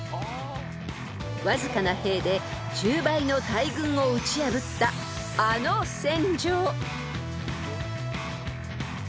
［わずかな兵で１０倍の大軍を打ち破ったあの戦場］